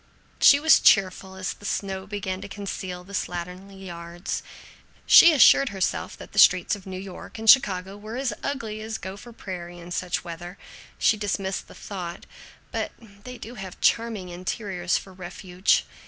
She was cheerful as the snow began to conceal the slatternly yards. She assured herself that the streets of New York and Chicago were as ugly as Gopher Prairie in such weather; she dismissed the thought, "But they do have charming interiors for refuge."